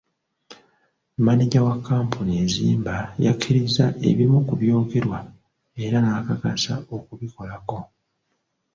Maneja wa kkampuni ezimba yakkiriza ebimu ku byogerwa era n'akakasa okubikolako.